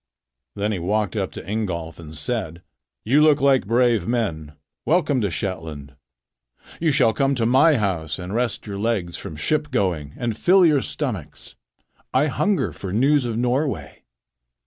Then he walked up to Ingolf and said: "You look like brave men. Welcome to Shetland. You shall come to my house and rest your legs from ship going and fill your stomachs. I hunger for news of Norway."